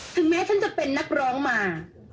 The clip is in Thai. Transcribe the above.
แม้ฉันจะเป็นนักร้องมา